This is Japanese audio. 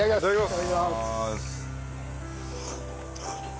いただきます。